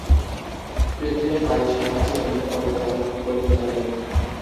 কৃত্রিম পায়ের সাহায্যে উনি পর্বতারোহণ করতে থাকেন।